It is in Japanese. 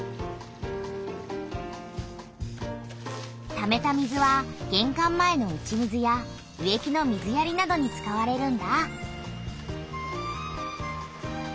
ためた水はげんかん前の打ち水や植木の水やりなどに使われるんだ。